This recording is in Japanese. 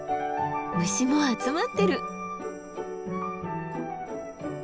虫も集まってる。